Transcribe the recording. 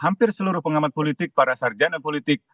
hampir seluruh pengamat politik para sarjana politik